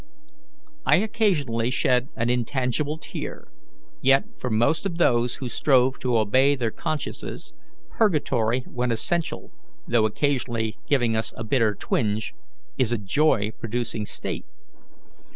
I occasionally shed an intangible tear, yet for most of those who strove to obey their consciences, purgatory, when essential, though occasionally giving us a bitter twinge, is a joy producing state.